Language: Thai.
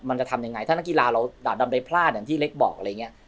จะทำยังไงถ้านักกีฬาเราดาบดำใดพลาดอย่างที่เล็กบอกอะไรอย่างนี้